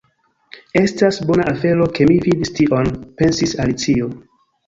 "Estas bona afero ke mi vidis tion," pensis Alicio.